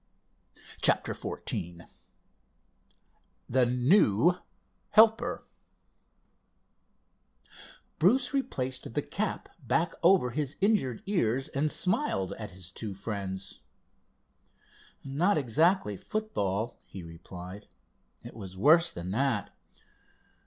CHAPTER XIV THE NEW HELPER Bruce replaced the cap back over his injured ears and smiled at his two friends. "No, not exactly football," he replied. "It was worse than that."